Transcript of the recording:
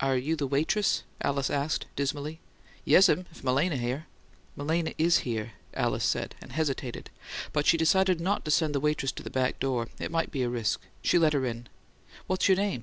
"Are you the waitress?" Alice asked, dismally. "Yes'm, if Malena here." "Malena is here," Alice said, and hesitated; but she decided not to send the waitress to the back door; it might be a risk. She let her in. "What's your name?"